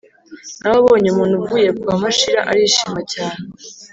na we abonye umuntu uvuye kwa mashira arishima cyane